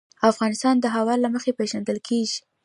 افغانستان د هوا له مخې پېژندل کېږي.